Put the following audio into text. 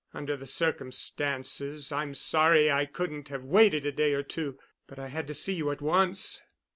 Under the circumstances, I'm sorry I couldn't have waited a day or two, but I had to see you at once."